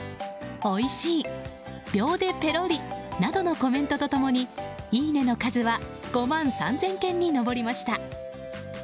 おいしい、秒でぺろりなどのコメントと共にいいねの数は５万３０００件に上りました。